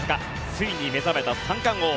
ついに目覚めた三冠王。